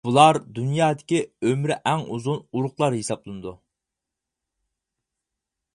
بۇلار دۇنيادىكى ئۆمرى ئەڭ ئۇزۇن ئۇرۇقلار ھېسابلىنىدۇ.